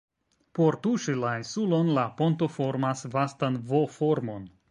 Por tuŝi la insulon la ponto formas vastan V-formon.